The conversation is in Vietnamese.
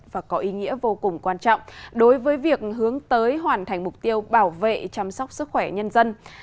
với việc hướng tới hoàn thành mục tiêu bảo vệ chăm sóc sức khỏe nhân dân